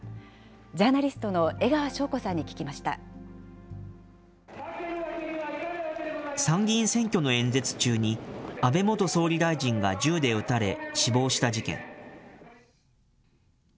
ジャーナリストの江川紹子さんに参議院選挙の演説中に、安倍元総理大臣が銃で撃たれ、死亡した事件。